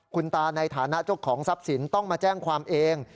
คุณตาในฐานะเจ้าของทรัพย์สินต้องมาแจ้งความเอง